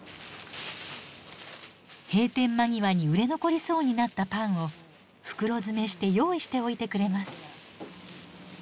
閉店間際に売れ残りそうになったパンを袋詰めして用意しておいてくれます。